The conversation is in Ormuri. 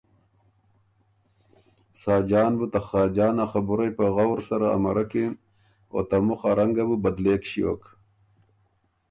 ساجان بُو ته خاجان ا خبُرئ په غؤر سره امرکِن او ته مُخ ا رنګه بُو بدلېک ݭیوک۔